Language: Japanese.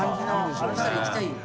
そしたら行きたいよ。